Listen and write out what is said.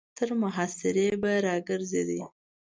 تر محاصرې به را ګرځېده.